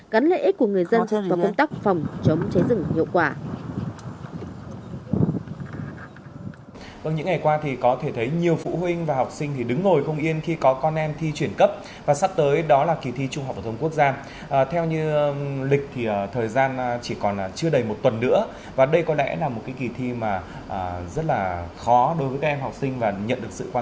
gắn lệ ích của người dân và công tác phòng cháy rừng hiệu quả